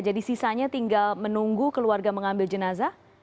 sisanya tinggal menunggu keluarga mengambil jenazah